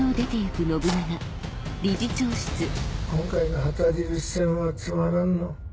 今回の旗印戦はつまらんのう。